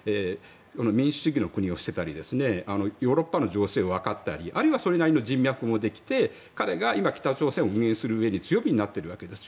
民主主義の国を知ってたりあるいはヨーロッパの情勢をわかっていたりあるいはそれなりの人脈もできて彼が今、北朝鮮を運営するうえで強みになっているわけですよ。